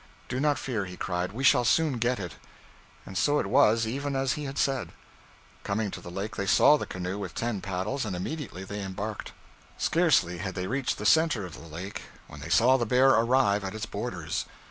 Do not fear,' he cried, 'we shall soon get it.' And so it was, even as he had said. Coming to the lake, they saw the canoe with ten paddles, and immediately they embarked. Scarcely had they reached the center of the lake, when they saw the bear arrive at its borders.